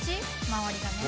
周りがね。